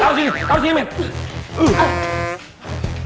tahu sini met